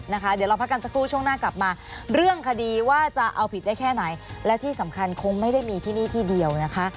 เดี๋ยวเราพักกันสักครู่ช่วงหน้ากลับมาเรื่องคดีว่าจะเอาผิดได้แค่ไหนและที่สำคัญคงไม่ได้มีที่นี่ที่เดียวนะคะ